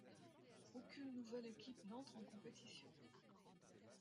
Aucune nouvelle équipe n'entre en compétition.